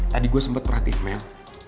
tadi gue sempet perhatiin mel